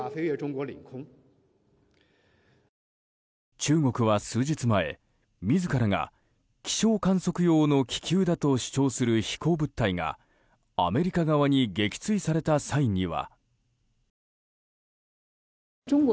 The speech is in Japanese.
中国は数日前自らが気象観測用の気球だと主張する飛行物体がアメリカ側に撃墜された際には。